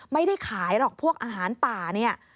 ไม่ได้ขายหรอกพวกอาหารป่าเนี่ย